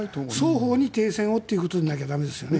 双方に停戦をということでないと駄目ですよね。